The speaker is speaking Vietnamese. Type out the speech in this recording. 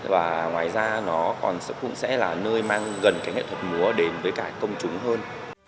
và ngoài ra nó còn cũng sẽ là nơi mang gần cái nghệ thuật múa đến với cả công chúng hơn